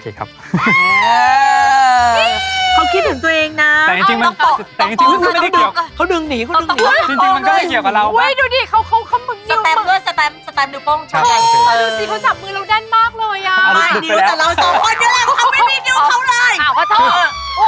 เขาไม่มีดูเขาเลยอ้าวพระเจ้า